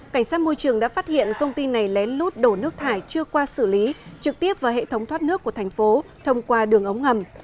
cảnh sát môi trường đã phát hiện công ty này lén lút đổ nước thải chưa qua xử lý trực tiếp vào hệ thống thoát nước của thành phố thông qua đường ống ngầm